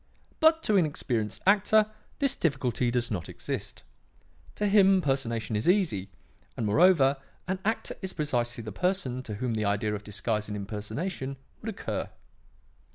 But to an experienced actor this difficulty does not exist. To him, personation is easy; and, moreover, an actor is precisely the person to whom the idea of disguise and impersonation would occur.